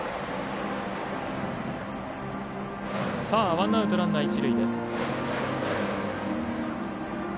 ワンアウトランナー、一塁です。